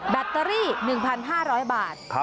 แบตเตอรี่๑๕๐๐บาท